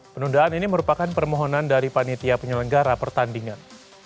penundaan ini merupakan permohonan dari panitia penyelenggara pertandingan